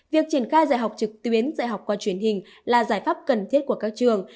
việc triển khai dạy học trực tuyến dạy học qua truyền hình là giải pháp cần thiết của các trường